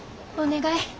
お願い。